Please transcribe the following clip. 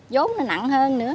vốn nó nặng hơn nữa